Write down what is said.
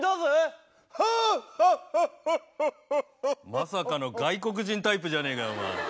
まさかの外国人タイプじゃねえかよお前。